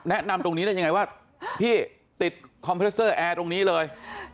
แนะนำตรงนี้ได้ยังไงว่าพี่ติดคอมพิวเซอร์แอร์ตรงนี้เลย